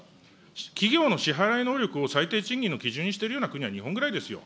企業の支払い能力を最低賃金の基準にしてるような国は日本ぐらいですよ。